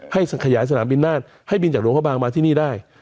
ขยายสนามบินนาฏให้บินจากหลวงพระบางมาที่นี่ได้